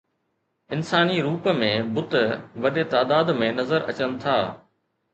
انساني روپ ۾ بت وڏي تعداد ۾ نظر اچن ٿا